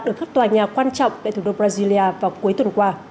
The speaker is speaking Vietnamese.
được khắp tòa nhà quan trọng tại thủ đô brasilia vào cuối tuần qua